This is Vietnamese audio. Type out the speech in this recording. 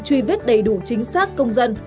truy vết đầy đủ chính xác công dân